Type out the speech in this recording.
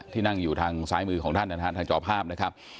ที่นั่งอยู่ทางซ้ายมือของท่านนะฮะทางจอภาพนะครับ